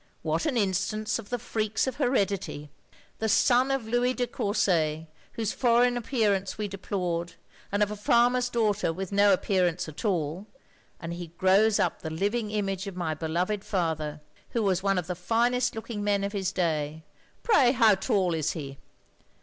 What an instance of the freaks of heredity! The son of Louis de Courset, whose foreign appearance we deplored, and of a farmer's daughter with no appearance at all, and he grows up the living image of my beloved father, who was one of the finest looking men of his day. Pray how tall is he?